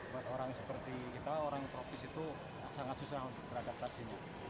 buat orang seperti kita orang tropis itu sangat susah untuk beradaptasinya